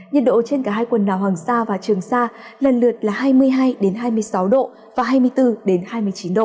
nhiệt độ trên cả hai quần đảo hoàng sa và trường sa lần lượt là hai mươi hai hai mươi sáu độ và hai mươi bốn hai mươi chín độ